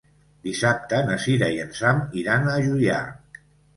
Dissabte na Sira i en Sam iran a Juià.